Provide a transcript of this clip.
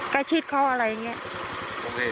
ใกล้ชิดเขาอะไรอย่างนี้